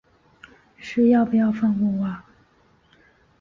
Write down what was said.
是要不要放过我啊